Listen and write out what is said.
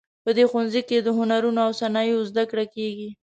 په دې ښوونځي کې د هنرونو او صنایعو زده کړه کیږي